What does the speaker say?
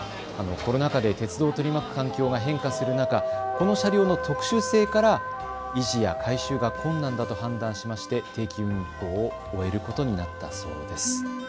コロナ禍で鉄道を取り巻く環境が変化する中、この車両の特殊性から維持や改修が困難だと判断しまして定期運行を終えることになったそうです。